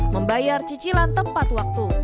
membayar cicilan tepat waktu